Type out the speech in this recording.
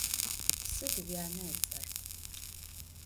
Sıd vuyane ıts'er?